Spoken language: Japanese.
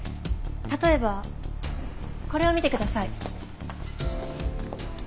例えばこれを見てください。